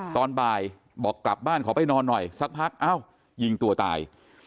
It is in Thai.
ตอนบ่ายบอกกลับบ้านขอไปนอนหน่อยสักพักเอ้ายิงตัวตาย